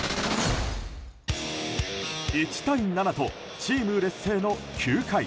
１対７とチーム劣勢の９回。